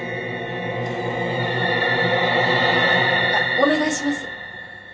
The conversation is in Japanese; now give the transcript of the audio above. ・・・・お願いします。